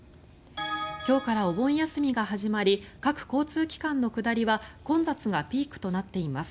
今日からお盆休みが始まり各交通機関の下りは混雑がピークとなっています。